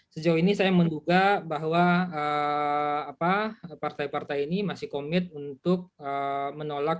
sejauh ini saya menduga bahwa partai partai ini masih komit untuk menolak